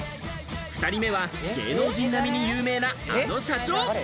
２人目は芸能人並に有名なあの社長。